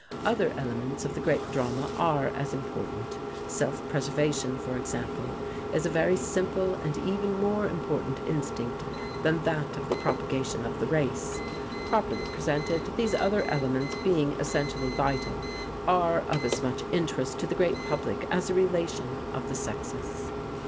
Other elements of the great drama are as important self preservation, for example, is a very simple and even more important instinct than that of the propagation of the race. Properly presented, these other elements, being essentially vital, are of as much interest to the great public as the relation of the sexes."